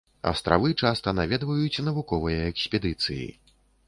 Астравы часта наведваюць навуковыя экспедыцыі.